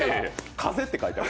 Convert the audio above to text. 「風」って書いてある。